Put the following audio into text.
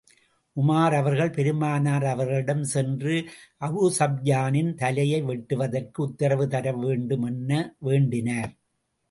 Umar அவர்கள் பெருமானார் அவர்களிடம் சென்று, அபூஸுப்யானின் தலையை வெட்டுவதற்கு உத்தரவு தர வேண்டும் என வேண்டினார்.